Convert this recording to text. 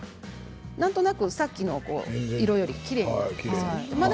なんとなくさっきの色よりきれいですね。